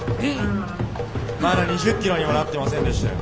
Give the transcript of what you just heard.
まだ２０ｋｍにもなってませんでしたよ。